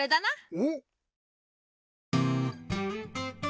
おっ。